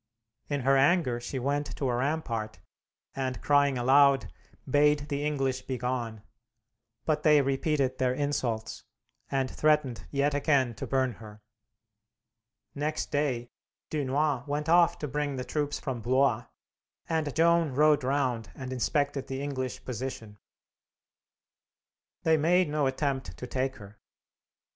In her anger she went to a rampart, and, crying aloud, bade the English begone; but they repeated their insults, and threatened yet again to burn her. Next day, Dunois went off to bring the troops from Blois, and Joan rode round and inspected the English position. They made no attempt to take her.